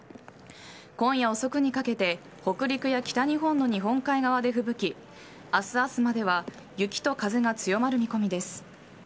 今夜遅くにかけて北陸や北日本の日本海側でふぶき明日朝までは雪と風が強まる見込みです。